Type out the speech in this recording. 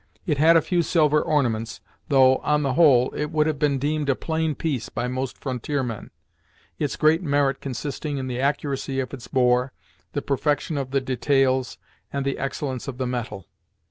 It had a few silver ornaments, though, on the whole, it would have been deemed a plain piece by most frontier men, its great merit consisting in the accuracy of its bore, the perfection of the details, and the excellence of the metal.